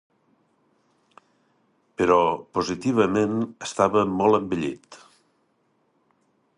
Però, positivament, estava molt envellit.